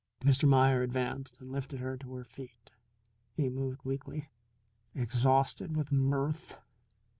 Mr. Meier advanced and lifted her to her feet. He moved weakly, exhausted with mirth.